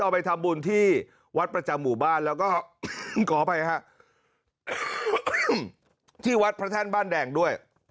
ไปทำบุญที่วัดประจำหมู่บ้านแล้วก็ขออภัยฮะที่วัดพระแท่นบ้านแดงด้วย